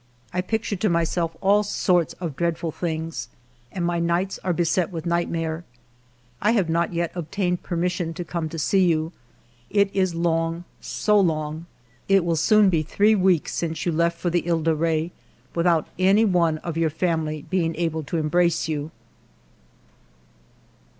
I picture to myself all sorts of dreadful things, and my nights are beset with nightmare. ... I have not yet obtained permission to come to see you. It is long, so long ! It will soon be three weeks since you left for the He de Re without any one of your family being able to embrace you."